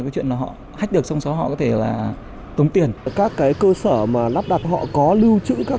cái chuyện họ hách được xong họ có thể là tốn tiền các cái cơ sở mà lắp đặt họ có lưu trữ các